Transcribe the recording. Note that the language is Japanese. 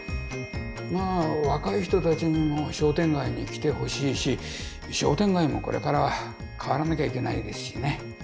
まあ若い人たちにも商店街に来てほしいし商店街もこれから変わらなきゃいけないですしね。